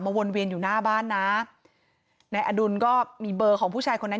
วนเวียนอยู่หน้าบ้านนะนายอดุลก็มีเบอร์ของผู้ชายคนนั้น